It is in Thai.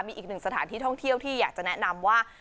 มีอีกหนึ่งสถานที่ท่องเที่ยวที่อยากจะแนะนำว่า